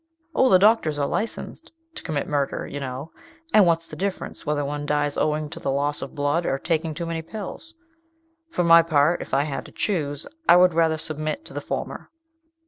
"Oh, the doctors are licensed to commit murder, you know; and what's the difference, whether one dies owing to the loss of blood, or taking too many pills? For my own part, if I had to choose, I would rather submit to the former."